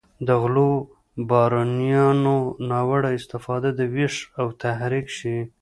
د غلو بارونیانو ناوړه استفاده ویښ او تحریک شي.